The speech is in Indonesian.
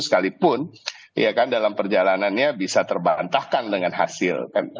sekalipun dalam perjalanannya bisa terbantahkan dengan hasil